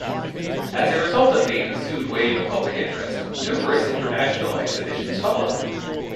As a result of the ensued wave of public interest, numerous international exhibitions followed.